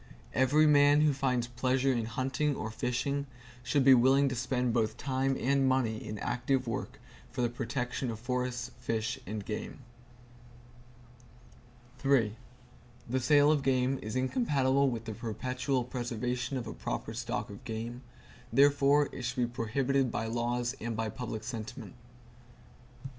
Every man who finds pleasure in hunting or fishing should be willing to spend both time and money in active work for the protection of forests, fish and game. The sale of game is incompatible with the perpetual preservation of a proper stock of game; therefore it should be prohibited by laws and by public sentiment.